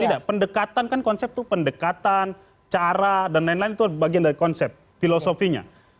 tidak pendekatan kan konsep itu pendekatan cara dan lain lain itu bagian dari konsep filosofinya